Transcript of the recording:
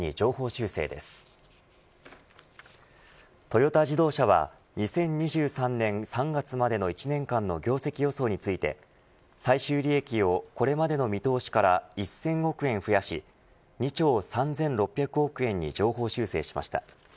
トヨタ自動車は２０２３年３月までの１年間の業績予想について最終利益をこれまでの見通しから１０００億円増やし２兆３６００億円に上方修正しました。